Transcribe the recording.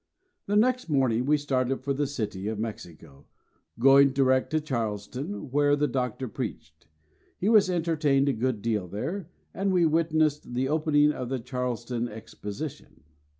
The next morning we started for the City of Mexico, going direct to Charleston, where the Doctor preached. He was entertained a good deal there, and we witnessed the opening of the Charleston Exposition.